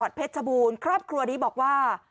เพชรชบูรณ์ครอบครัวนี้บอกว่า